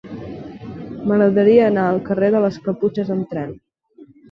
M'agradaria anar al carrer de les Caputxes amb tren.